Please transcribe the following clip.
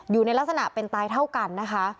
อยู่ในลักษณะเป็นตายเท่ากันนะคะ